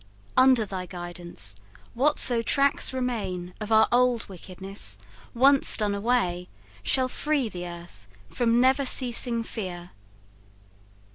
Under thy guidance, whatso tracks remain Of our old wickedness, once done away, Shall free the earth from never ceasing fear.